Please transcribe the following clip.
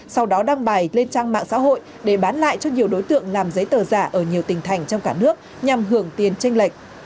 sau đó đăng bài lên trang mạng xã hội để bán lại cho nhiều đối tượng làm giấy tờ giả ở nhiều tỉnh thành trong cả nước nhằm hưởng tiền tranh lệch